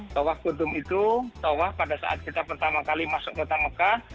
tawaf kudum itu tawaf pada saat kita pertama kali masuk ke tanaka